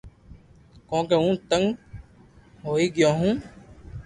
ڪونڪ ھون تنگ ھوئي گيو ھون